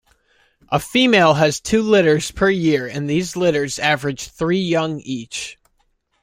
A female has two litters per year and these litters average three young each.